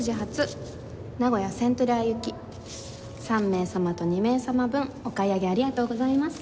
３名様と２名様分お買い上げありがとうございます。